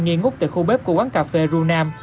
nghiêng ngút từ khu bếp của quán cà phê ru nam